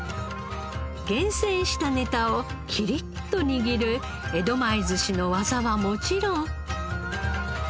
厳選したネタをキリッと握る江戸前寿司の技はもちろん。